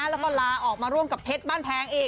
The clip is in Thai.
แล้วก็ลาออกมาร่วมกับเพชรบ้านแพงอีก